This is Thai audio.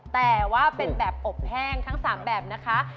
แต่ว่าเป็นแบบอบแห้งทั้ง๓แบบนะคะ